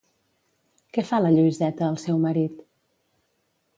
Què fa la Lluïseta al seu marit?